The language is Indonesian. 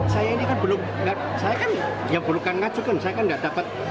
saya ini kan belum saya kan ya belum kan ngacu kan saya kan gak dapat